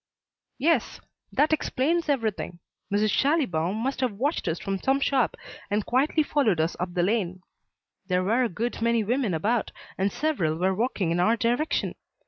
"Yes. That explains everything. Mrs. Schallibaum must have watched us from some shop and quietly followed us up the lane. There were a good many women about and several were walking in our direction.